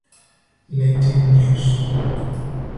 Latin News".